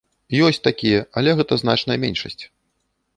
Ёсць такія, але гэта значная меншасць.